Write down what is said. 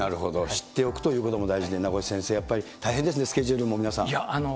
なるほど、知っておくということも大事で、やっぱり、名越先生、大変ですね、スケジュールも皆さん。